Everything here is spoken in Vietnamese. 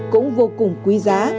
cũng vô cùng quý giá